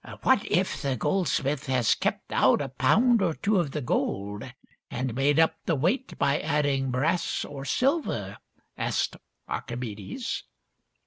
" What if the goldsmith has kept out a pound or two of the gold and made up the weight by adding brass or silver ?" asked Archimedes.